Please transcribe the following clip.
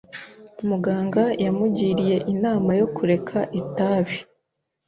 Muganga yamugiriye inama yo kureka itabi.